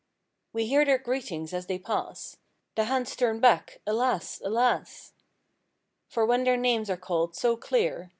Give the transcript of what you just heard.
We hear their greetings as they pass— The hands turn back I Alas! Alas! For when their names are called, so clear.